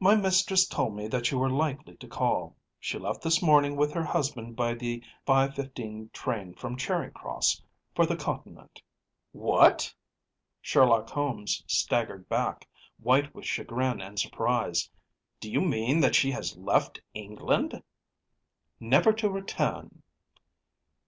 My mistress told me that you were likely to call. She left this morning with her husband by the 5:15 train from Charing Cross for the Continent.‚ÄĚ ‚ÄúWhat!‚ÄĚ Sherlock Holmes staggered back, white with chagrin and surprise. “Do you mean that she has left England?‚ÄĚ “Never to return.